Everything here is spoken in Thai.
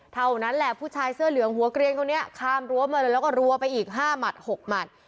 เท่านั้นแหละผู้ชายเสื้อเหลืองหัวเกลียนคนนี้ข้ามรั้วมาเลยแล้วก็รัวไปอีก๕หมัด๖หมัด